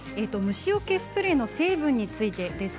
虫よけスプレーの成分についてです。